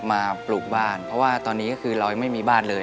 ปลูกบ้านเพราะว่าตอนนี้ก็คือเรายังไม่มีบ้านเลย